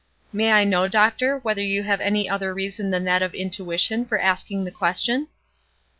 "May I know, doctor, whether you have any other reason than that of intuition for asking the question?"